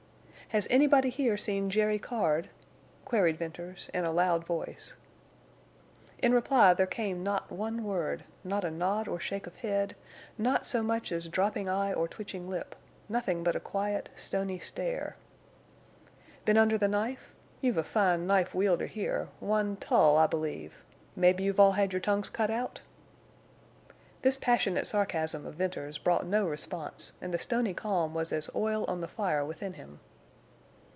"Has anybody here seen Jerry Card?" queried Venters, in a loud voice. In reply there came not a word, not a nod or shake of head, not so much as dropping eye or twitching lip—nothing but a quiet, stony stare. "Been under the knife? You've a fine knife wielder here—one Tull, I believe!... Maybe you've all had your tongues cut out?" This passionate sarcasm of Venters brought no response, and the stony calm was as oil on the fire within him.